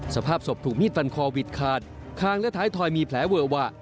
สภาพศพถูกมีดฟันคอวิดขาดคางและท้ายทอยมีแผลเวอะวะ